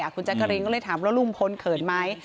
อันนี้คุณแจ๊กกะรินก็เลยถามว่าลุงภลเขินไม้